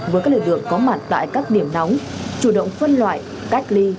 với các lực lượng có mặt tại các điểm nóng chủ động phân loại cách ly